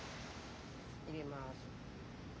入れます。